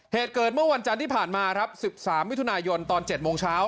เหตุเกิดเมื่อวันจันทร์ที่ผ่านมาครับ๑๓มิถุนายนตอน๗โมงเช้า